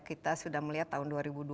kita sudah melihat tahun dua ribu dua puluh